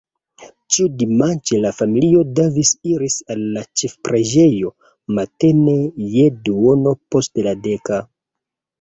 Ĉiudimanĉe la familio Davis iris al la ĉefpreĝejo, matene je duono post la deka.